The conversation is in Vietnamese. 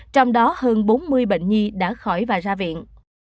trong đó hơn bốn mươi bệnh nhi đã khỏi và ra viện